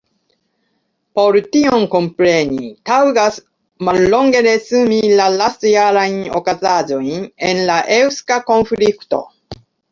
Por tion kompreni, taŭgas mallonge resumi la lastjarajn okazaĵojn en la eŭska konflikto.